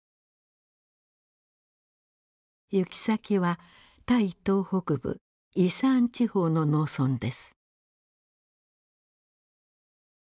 行き先はタイ東北部イサーン地方の農村です。